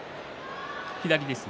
左ですね。